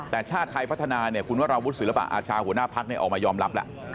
แต่ชาติไทยพัฒนาเนี่ยคุณว่าราวุศิลปะอาชาหัวหน้าภักดิ์เนี่ยออกมายอมรับล่ะ